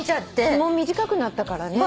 日も短くなったからね。